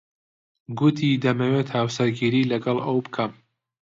گوتی دەمەوێت هاوسەرگیری لەگەڵ ئەو بکەم.